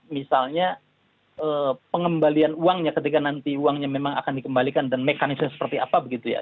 misalnya pengembalian uangnya ketika nanti uangnya memang akan dikembalikan dan mekanisme seperti apa begitu ya